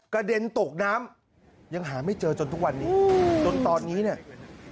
เด็นตกน้ำยังหาไม่เจอจนทุกวันนี้จนตอนนี้เนี่ย